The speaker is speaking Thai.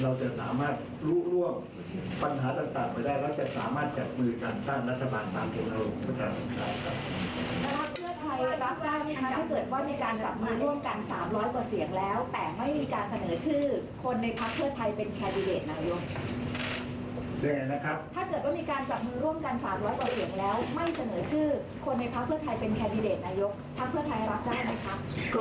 เราจะสามารถรุกร่วมปัญหาต่างไปได้แล้วจะสามารถจัดมือการสร้างรัฐบาลตามเกตนารมณ์ประชาชนไทยครับ